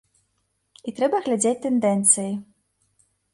І трэба глядзець тэндэнцыі.